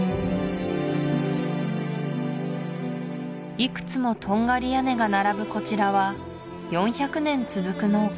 いくつもトンガリ屋根が並ぶこちらは４００年続く農家